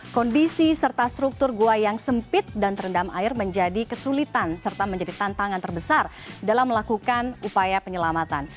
kondisi serta struktur gua yang sempit dan terendam air menjadi kesulitan serta menjadi tantangan terbesar dalam melakukan upaya penyelamatan